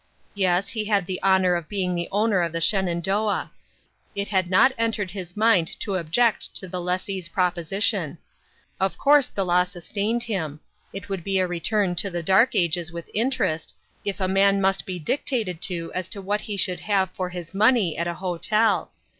Yes, he had the honor of being the owner of the Shenandoah ; it had not entered his mind to object to the lessee's proposition ; of course the law sus tained him ; it would be a return to the Dark Ages with interest, if a man must be dictated to as to what he should have for his money at a hotel.